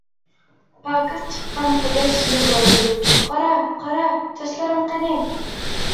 پاكىز چىققان قۇياش يىغلايدۇ، قارا-قارا چاچلىرىڭ قېنى.